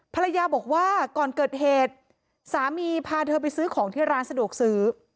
ภรรยาบอกว่าก่อนเกิดเหตุสามีพาเธอไปซื้อของที่ร้านสะดวกซื้อ